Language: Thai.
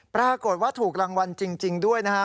ปรากฏว่าถูกรางวัลจริงด้วยนะฮะ